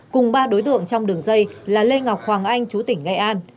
cùng ba đối tượng trong đường dây là lê ngọc hoàng anh trú tỉnh nghe an